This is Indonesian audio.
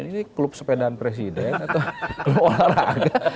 ini klub sepedaan presiden atau keluarga